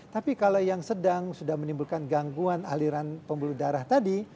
tapi kalau yang sedang sudah menimbulkan gangguan aliran pembuluh darah tadi